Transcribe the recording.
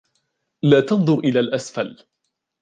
لا تنظر إلى الأسفل.